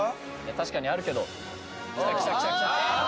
確かにあるけどああ！